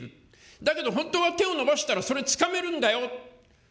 だけど本当は手を伸ばしたら、それ、つかめるんだよ。